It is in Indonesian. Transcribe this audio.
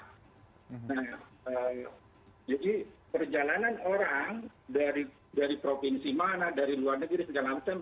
nah jadi perjalanan orang dari provinsi mana dari luar negeri segala macam